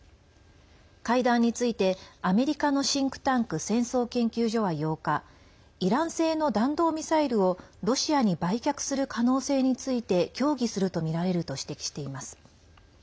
会談についてアメリカのシンクタンク戦争研究所は８日イラン製の弾道ミサイルをロシアに売却する可能性について協議するとみられると指摘しています。